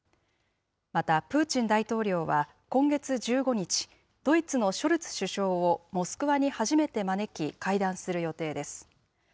また、プーチン大統領は、今月１５日、ドイツのショルツ首相をモスクワに初めて招き、会談する予定です。